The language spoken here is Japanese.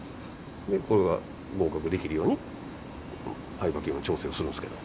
これが合格できるようにハイバキューム調整をするんですけど。